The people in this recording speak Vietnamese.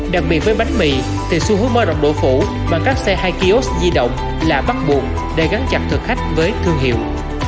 đặc biệt với bánh mì thì xu hướng mơ rộng độ phủ bằng các xe hai kiosk di động là bắt buộc để gắn chặt thực khách với thương hiệu